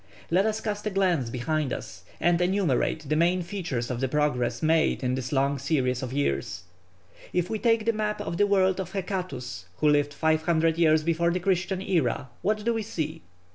Let us cast a glance behind us and enumerate the main features of the progress made in this long series of years. If we take the map of the world of Hecatæus, who lived 500 years before the Christian era, what do we see?